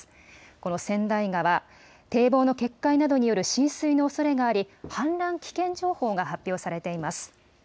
この千代川、堤防の決壊などによる浸水のおそれがあり、氾濫危険情報が発表されています。